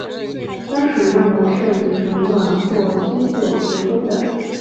当时认为是李承晚或金九指挥的。